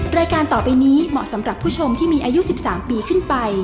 รายการต่อไปนี้เหมาะสำหรับผู้ชมที่มีอายุ๑๓ปีขึ้นไป